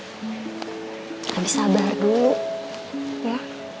tapi sabar dulu ya